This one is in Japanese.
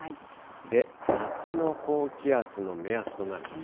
で、夏の高気圧の目安となる場所。